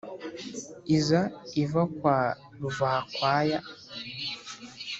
Iza iva kwa ruvakwaya